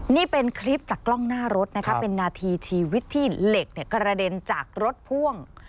นี่เป็นคลิปจากกล้องหน้ารถนะคะเป็นนาทีชีวิตที่เหล็กกระเด็นจากรถพ่วง